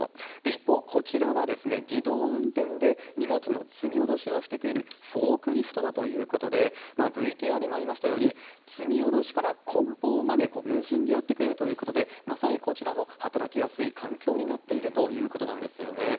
一方、こちらは自動運転で荷物の積み降ろしをしてくれるフォークリフトだということで、ＶＴＲにもありましたように、積み降ろしからこん包まで無人でやってくれるということで、まさにこちらも働きやすい環境になっているということなんですよね。